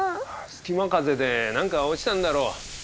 隙間風で何か落ちたんだろう。